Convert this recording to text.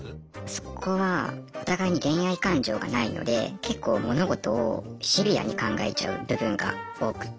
そこはお互いに恋愛感情がないので結構物事をシビアに考えちゃう部分が多くて。